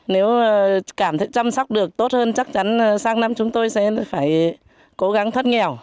nếu cảm thấy chăm sóc được tốt hơn chắc chắn sang năm chúng tôi sẽ phải cố gắng thất nghèo